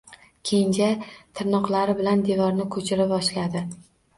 Kenja tirnoqlari bilan devorni ko‘chira boshladi.